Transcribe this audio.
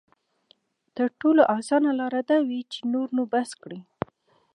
تر ټولو اسانه لاره دا وي چې نور نو بس کړي.